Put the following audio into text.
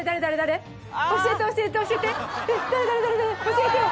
教えてよ！